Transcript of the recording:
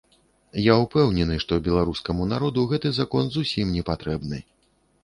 Я ўпэўнены, што беларускаму народу гэты закон зусім не патрэбны.